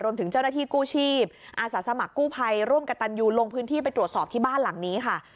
เจ้าหน้าที่กู้ชีพอาสาสมัครกู้ภัยร่วมกับตันยูลงพื้นที่ไปตรวจสอบที่บ้านหลังนี้ค่ะ